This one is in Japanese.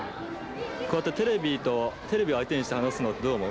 こうやってテレビを相手にして話すのってどう思う？